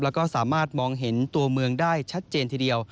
แล้วก็สามารถมองเห็นตัวเมืองได้ชัดเจนทีเดียว